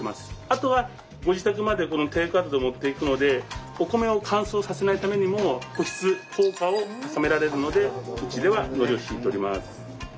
あとはご自宅までテイクアウトで持っていくのでお米を乾燥させないためにも保湿効果を高められるのでうちではのりをひいております。